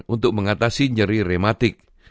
untuk mengatasi nyeri rematik